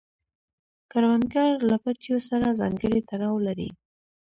کروندګر له پټیو سره ځانګړی تړاو لري